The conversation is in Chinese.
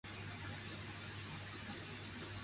随后议会由选举产生。